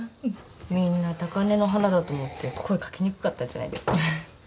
みんな高嶺の花だと思って声掛けにくかったんじゃないですか？